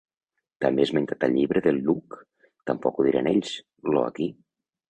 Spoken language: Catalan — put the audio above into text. També esmentat al Llibre de Luke - Tampoc ho diran ells, Lo aquí!